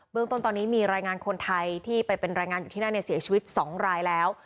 เรื่องต้นตอนนี้มีรายงานคนไทยที่ไปเป็นรายงานอยู่ที่นั่นเสียชีวิต๒รายแล้ว